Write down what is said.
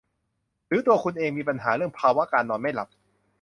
หรือตัวคุณเองมีปัญหาเรื่องภาวะการนอนไม่หลับ